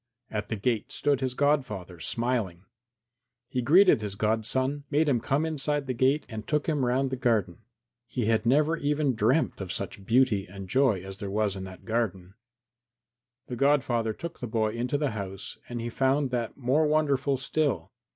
At the gate stood his godfather, smiling. He greeted his godson, made him come inside the gate and took him round the garden. He had never even dreamt of such beauty and joy as there was in that garden. The godfather took the boy into the house and he found that more wonderful still.